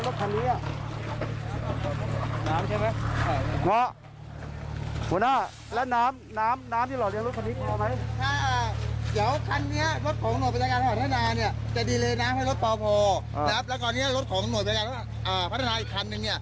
ทันครับปัญหาหลักก็คือช้าตอนเมืองเอาไฟประทุขึ้นมาอีกรอบหนึ่งเนี่ย